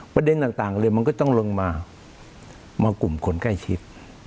ประเด็นต่างเลยมันก็ต้องลงมามากลุ่มคนใกล้ชิด